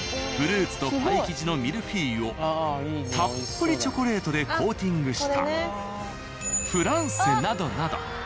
フルーツとパイ生地のミルフィーユをたっぷりチョコレートでコーティングしたフランセなどなど。